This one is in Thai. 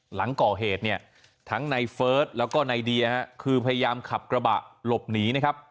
หลังก่อเหตุเนี่ยทั้งในเฟิร์สแล้วก็ในเดียคือพยายามขับกระบะหลบหนีนะครับ